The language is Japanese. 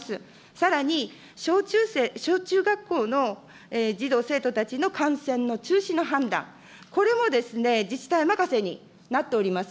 さらに、小中学校の児童・生徒たちの観戦の中止の判断、これも自治体任せになっております。